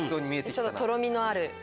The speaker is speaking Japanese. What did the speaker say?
ちょっととろみのある。